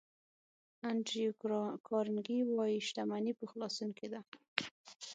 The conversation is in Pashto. انډریو کارنګي وایي شتمني په خلاصون کې ده.